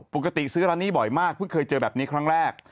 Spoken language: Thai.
ปกติซื้อร้านนี้บ่อยมากเพิ่งเคยเจอแบบนี้ครั้งแรก